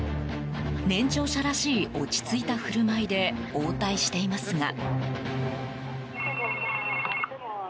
年長者らしい落ち着いた振る舞いで応対していますが。